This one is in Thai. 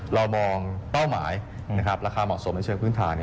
เรามองเป้าหมายราคาเหมาะสมในเชิงพื้นฐาน